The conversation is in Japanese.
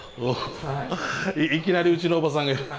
いきなりうちのおばさんが。